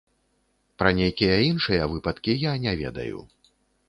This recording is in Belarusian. Пра нейкія іншыя выпадкі я не ведаю.